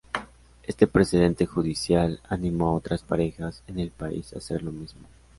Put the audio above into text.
Este precedente judicial animó a otras parejas en el país a hacer lo mismo.